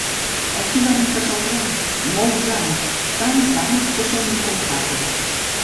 Així varen passar anys, molts anys, tants anys que són incomptables.